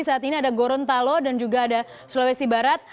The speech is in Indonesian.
saat ini ada gorontalo dan juga ada sulawesi barat